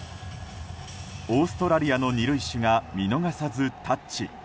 オーストラリアの２塁手が見逃さずタッチ。